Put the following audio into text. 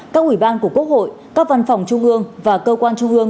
các ủy ban của quốc hội các văn phòng trung ương và cơ quan trung ương